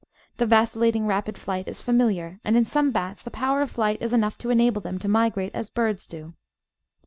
The vacillating rapid flight is familiar, and in some bats the power of flight is enough to enable them to migrate as birds do.